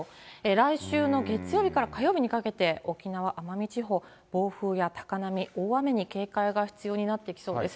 来週の月曜日から火曜日にかけて、沖縄、奄美地方、暴風や高波、大雨に警戒が必要になってきそうです。